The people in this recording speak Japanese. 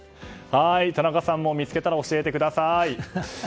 田中さんも見つけたら教えてください。